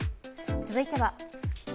続いては。